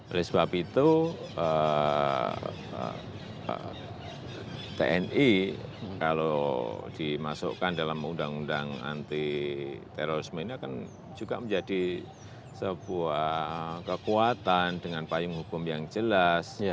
oleh sebab itu tni kalau dimasukkan dalam undang undang anti terorisme ini akan juga menjadi sebuah kekuatan dengan payung hukum yang jelas